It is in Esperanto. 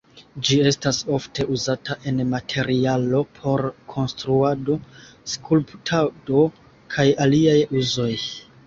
Ĝi estas ofte uzata en materialo por konstruado, skulptado, kaj aliaj uzoj.